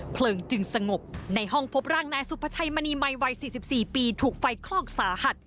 เพลิงจึงสงบในห้องพบร่างนายสุภาชัยมณีมัยวัย๔๔ปีถูกไฟคลอกสาหัส